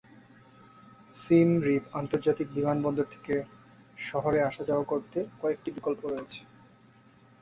সিম Reap আন্তর্জাতিক বিমানবন্দর থেকে শহরে আসা যাওয়া করতে কয়েকটি বিকল্প রয়েছে।